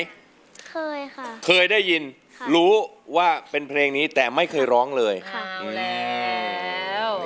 เคยค่ะเคยได้ยินรู้ว่าเป็นเพลงนี้แต่ไม่เคยร้องเลยค่ะแล้ว